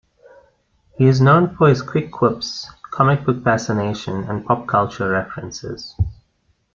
He is known for his quick quips, comic book fascination, and pop-culture references.